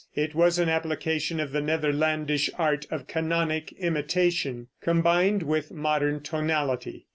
It was an application of the Netherlandish art of canonic imitation, combined with modern tonality.